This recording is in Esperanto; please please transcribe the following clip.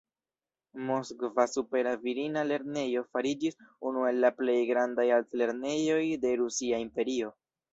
Moskva supera virina lernejo fariĝis unu el la plej grandaj altlernejoj de Rusia Imperio.